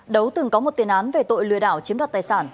đấu từng có một tiền án về tội lừa đảo chiếm đoạt tài sản